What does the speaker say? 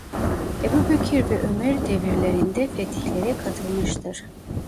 Ebubekir ve Ömer devirlerinde fetihlere katılmıştır.